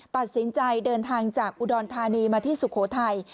ตัดสินใจเดินทางจากอุดรธานีมาที่สุโขทัย